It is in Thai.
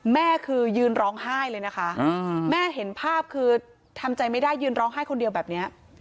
แม่คือยืนร้องไห้เลยนะคะแม่เห็นภาพคือทำใจไม่ได้ยืนร้องไห้คนเดียวแบบนี้